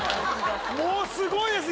もうすごいです